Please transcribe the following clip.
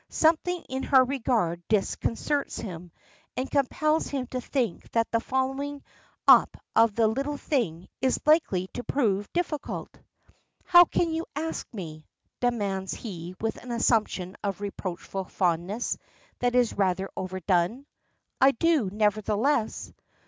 Something in her regard disconcerts him, and compels him to think that the following up of the "little thing" is likely to prove difficult. "How can you ask me?" demands he with an assumption of reproachful fondness that is rather overdone. "I do, nevertheless."